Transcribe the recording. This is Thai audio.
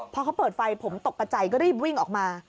พอเขาเปิดไฟผมตกกระใจก็รีบวิ่งออกมา